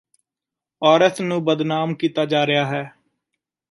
ਔਰਤ ਨੂੰ ਬਦਨਾਮ ਕੀਤਾ ਜਾ ਰਿਹਾ ਹੈ